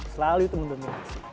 selalu itu mendominasi